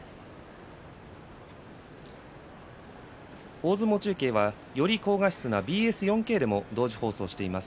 大相撲中継はより高画質なＢＳ４Ｋでも同時放送しています。